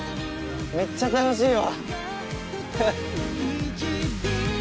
めっちゃ楽しいわ。